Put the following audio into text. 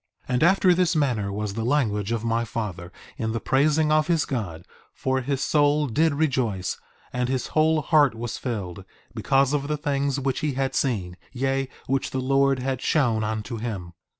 1:15 And after this manner was the language of my father in the praising of his God; for his soul did rejoice, and his whole heart was filled, because of the things which he had seen, yea, which the Lord had shown unto him.